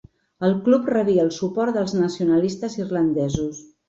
El club rebia el suport dels nacionalistes irlandesos.